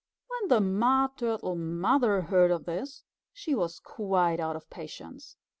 When the Mud Turtle Mother heard of this, she was quite out of patience.